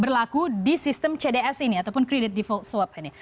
berlaku di sistem cds ini ataupun kredit default swab ini